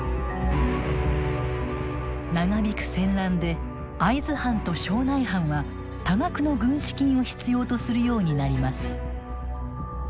長引く戦乱で会津藩と庄内藩は多額の軍資金を必要とするようになります。